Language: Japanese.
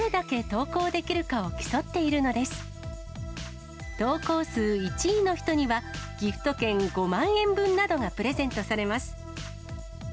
投稿数１位の人には、ギフト券５万円分などがプレゼントされます。